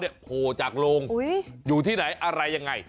เขาบอกว่าภาพอยากลงอยู่ที่ไหนอะไรยังไง